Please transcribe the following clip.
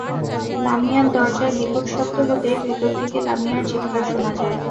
লামিয়ার দরজায় বিকট শব্দ হতেই ভেতর থেকে লামিয়ার চিৎকার শোনা যায়।